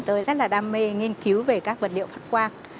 tôi rất là đam mê nghiên cứu về các vật liệu phát quang